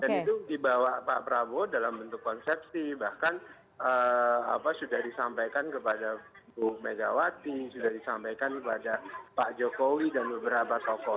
itu dibawa pak prabowo dalam bentuk konsepsi bahkan sudah disampaikan kepada bu megawati sudah disampaikan kepada pak jokowi dan beberapa tokoh